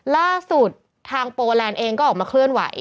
ล่าสุดทางโปแลนด์เองก็ออกมาเคลื่อนไหว